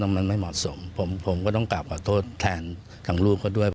มันไม่เหมาะสมผมก็ต้องกลับขอโทษแทนทางลูกเขาด้วย